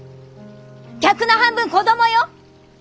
客の半分子供よ？